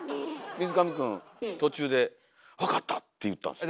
水上くん途中で「わかった」って言ったんすよ。